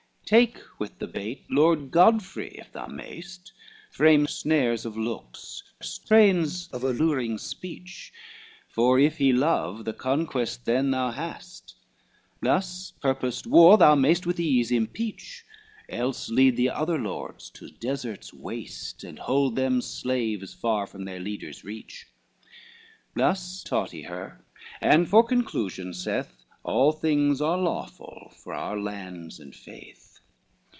XXVI "Take with the bait Lord Godfrey, if thou may'st; Frame snares of look, strains of alluring speech; For if he love, the conquest then thou hast, Thus purposed war thou may'st with ease impeach, Else lead the other Lords to deserts waste, And hold them slaves far from their leader's reach:" Thus taught he her, and for conclusion, saith, "All things are lawful for our lands and faith."